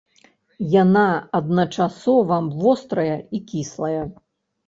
Яна адначасова вострая і кіслая.